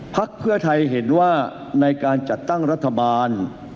พักเพื่อไทยเห็นว่าในการจัดตั้งรัฐบาล